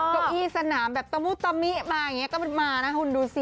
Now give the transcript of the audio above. เก้าอี้สนามแบบตะมุตมิมาอย่างนี้ก็มานะคุณดูสิ